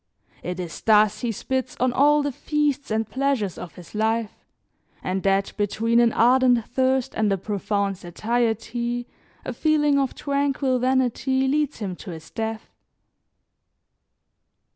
It is thus he spits on all the feasts and pleasures of his life, and that between an ardent thirst and a profound satiety a feeling of tranquil vanity leads him to his death.